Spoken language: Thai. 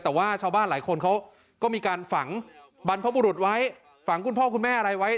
แต่ว่าชาวบ้านหลายคนเขาก็มีการฝังบรรพบุรุษไว้ฝังคุณพ่อคุณแม่อะไรไว้